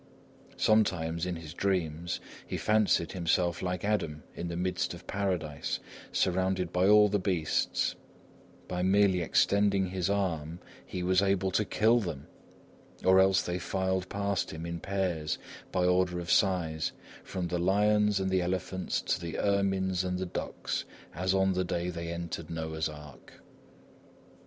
Sometimes, in his dreams, he fancied himself like Adam in the midst of Paradise, surrounded by all the beasts; by merely extending his arm, he was able to kill them; or else they filed past him, in pairs, by order of size, from the lions and the elephants to the ermines and the ducks, as on the day they entered Noah's Ark.